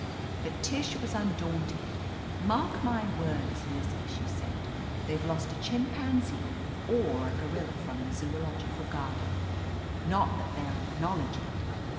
But Tish was undaunted. "Mark my words, Lizzie," she said, "they've lost a chimpanzee or a gorilla from the Zoological Garden — ^not that they'll acknowledge it.